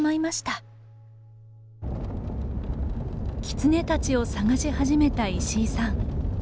キツネたちを捜し始めた石井さん。